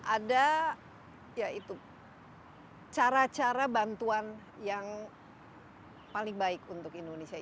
ada ya itu cara cara bantuan yang paling baik untuk indonesia